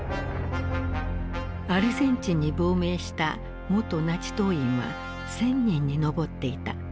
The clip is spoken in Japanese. アルゼンチンに亡命した元ナチ党員は１，０００人に上っていた。